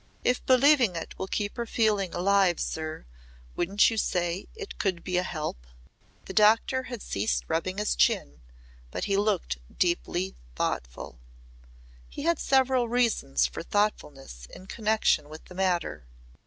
If believing it will keep her feeling alive, sir, wouldn't you say it would be a help?" The Doctor had ceased rubbing his chin but he looked deeply thoughtful. He had several reasons for thoughtfulness in connection with the matter.